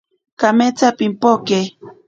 Kametsa pimpoke.